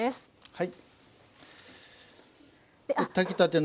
はい。